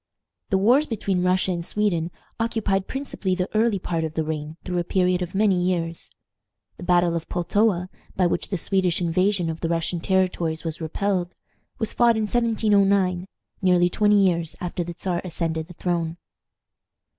The wars between Russia and Sweden occupied principally the early part of the reign through a period of many years. The battle of Pultowa, by which the Swedish invasion of the Russian territories was repelled, was fought in 1709, nearly twenty years after the Czar ascended the throne.